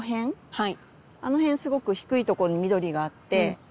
はい。